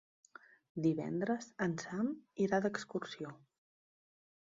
Divendres en Sam irà d'excursió.